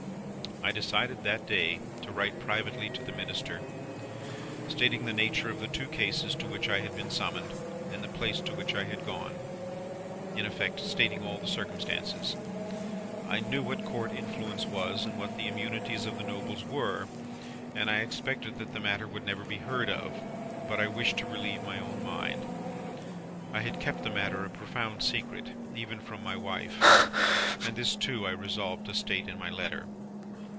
I decided, that day, to write privately to the Minister, stating the nature of the two cases to which I had been summoned, and the place to which I had gone: in effect, stating all the circumstances. I knew what Court influence was, and what the immunities of the Nobles were, and I expected that the matter would never be heard of; but, I wished to relieve my own mind. I had kept the matter a profound secret, even from my wife; and this, too, I resolved to state in my letter.